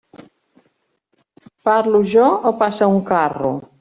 Parle jo o passa un carro?